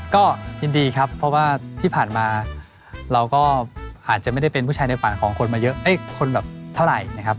ก็ยินดีครับเพราะว่าที่ผ่านมาเราก็อาจจะไม่ได้เป็นผู้ชายในฝันของคนมาเยอะคนแบบเท่าไหร่นะครับ